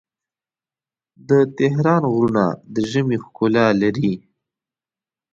د تهران غرونه د ژمي ښکلا لري.